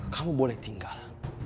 kamu boleh tinggal